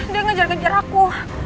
dia ngejar ngejar aku